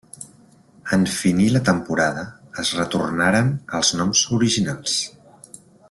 En finir la temporada es retornaren als noms originals.